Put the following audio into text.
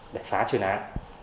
để phá chuyên án